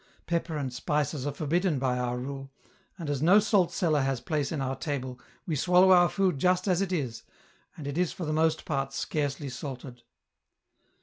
Pepper and spices are forbidden by our rule, and as no salt cellar has place on our table, we swallow our food just as it is, and it is for the most part scarcely salted.